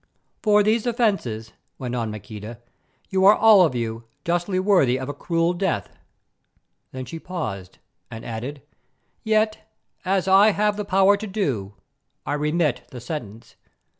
"For these offences," went on Maqueda, "you are all of you justly worthy of a cruel death." Then she paused and added, "Yet, as I have the power to do, I remit the sentence.